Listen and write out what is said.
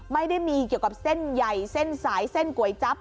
ไม่ได้มีเกี่ยวกับเส้นใหญ่เส้นสายเส้นก๋วยจั๊บ